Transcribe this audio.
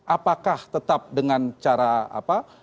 apakah tetap dengan cara apa